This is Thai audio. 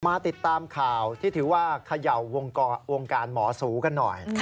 มาติดตามข่าวที่ถือว่าเขย่าวงการหมอสูกันหน่อย